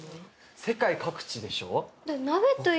世界各地でしょ？